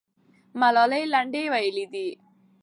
ملالۍ لنډۍ ویلې دي.